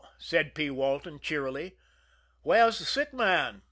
said P. Walton cheerily. "Where's the sick man?"